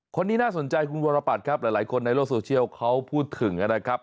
คนนี้น่าสนใจคุณวรปัตรครับหลายคนในโลกโซเชียลเขาพูดถึงนะครับ